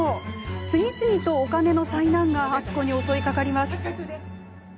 次々と、お金の災難が篤子に襲いかかります。